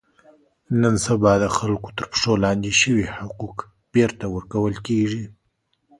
نن سبا د خلکو تر پښو لاندې شوي حقوق بېرته ور کول کېږي.